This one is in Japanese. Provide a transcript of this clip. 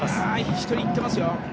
１人行っていますよ。